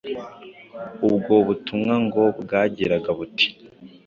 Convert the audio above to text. Ubwo butumwa ngo bwagiraga buti: